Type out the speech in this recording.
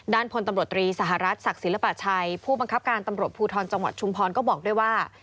พลตำรวจตรีสหรัฐศักดิ์ศิลปะชัยผู้บังคับการตำรวจภูทรจังหวัดชุมพรก็บอกด้วยว่า